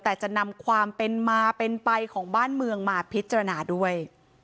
แต่จะนำความเป็นมาเป็นไปของบ้านเมืองมาพิจารณาด้วย